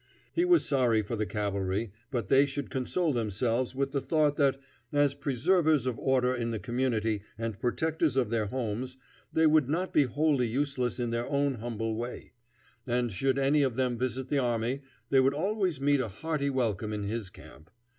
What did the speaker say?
He was sorry for the cavalry, but they should console themselves with the thought that, as preservers of order in the community and protectors of their homes, they would not be wholly useless in their own humble way; and should any of them visit the army, they would always meet a hearty welcome in his camp.